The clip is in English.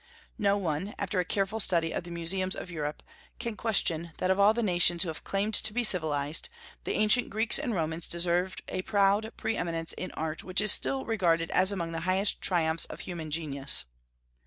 No one, after a careful study of the museums of Europe, can question that of all the nations who have claimed to be civilized, the ancient Greeks and Romans deserve a proud pre eminence in an art which is still regarded as among the highest triumphs of human genius.